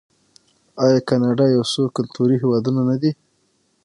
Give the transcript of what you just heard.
آیا کاناډا یو څو کلتوری هیواد نه دی؟